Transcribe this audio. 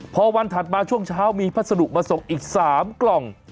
พอวันถัดมาช่วงเช้ามีพัสดุมาส่งอีก๓กล่อง